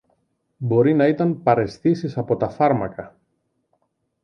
Μπορεί να ήταν παραισθήσεις από τα φάρμακα